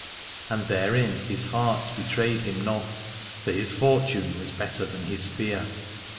And therein his heart betrayed him not, for his fortune was better than his fear.